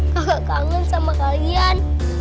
kakak kangen sama kalian